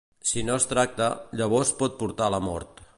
Si no es tracta, llavors pot portar a la mort.